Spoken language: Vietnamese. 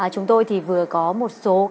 chúng tôi thì vừa có một số